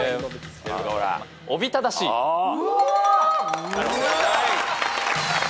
・うわ！